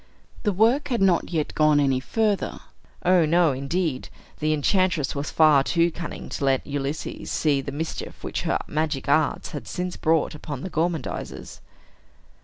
The work had not yet gone any further. O, no, indeed. The enchantress was far too cunning to let Ulysses see the mischief which her magic arts had since brought upon the gormandizers.